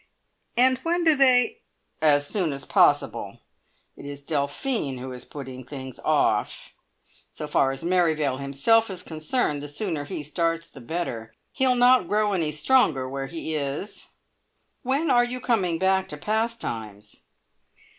"And when do they " "As soon as possible. It is Delphine who is putting things off. So far as Merrivale himself is concerned, the sooner he starts the better. He'll not grow any stronger where he is. When are you coming back to `Pastimes'?"